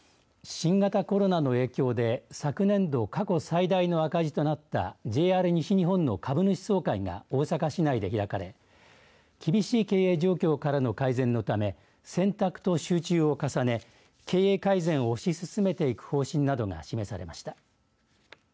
新型コロナの影響で昨年の過去最大の赤字となったＪＲ西日本の株主総会が大阪市内で開かれ厳しい経営状況からの改善のため選択と集中を重ね経営改善を推し進めていく方針などが示されました。